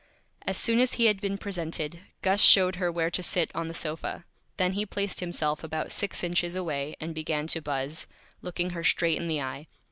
As soon as he had been Presented, Gus showed her where to sit on the Sofa, then he placed himself about Six Inches away and began to Buzz, looking her straight in the Eye.